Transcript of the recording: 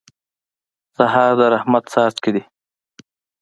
سهار د رحمت څاڅکي دي.